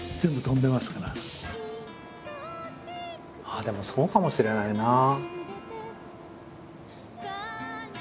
ああでもそうかもしれないなあ。